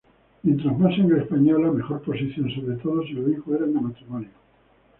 Mientras más sangre española, mejor posición, sobre todo si los hijos eran de matrimonio.